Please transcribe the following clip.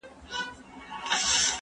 هغه څوک چي چپنه پاکوي منظم وي